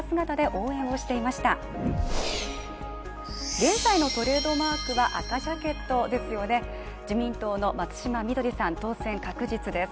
現在のトレードマークは赤ジャケットですよね、自民党の松島みどりさん当選確実です。